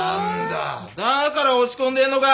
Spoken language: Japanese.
だから落ち込んでんのか。